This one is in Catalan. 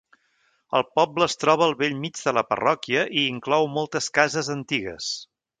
El poble es troba al bell mig de la parròquia i inclou moltes cases antigues.